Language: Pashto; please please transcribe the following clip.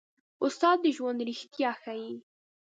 استاد د ژوند رښتیا ښيي.